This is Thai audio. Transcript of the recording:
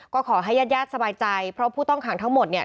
ก็ขอให้ญาติญาติสบายใจเพราะผู้ต้องขังทั้งหมดเนี่ย